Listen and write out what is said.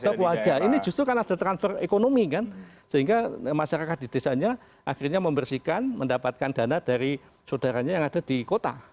tetap warga ini justru karena ada transfer ekonomi kan sehingga masyarakat di desanya akhirnya membersihkan mendapatkan dana dari saudaranya yang ada di kota